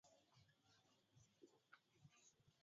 ikashuhudia uchaguzi mkuu ukifanyika iwapo